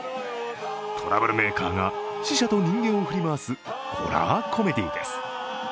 トラブルメーカーが死者と人間を振り回すホラーコメディーです。